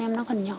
em không có đi học